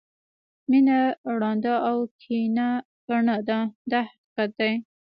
مینه ړانده او کینه کڼه ده دا حقیقت دی.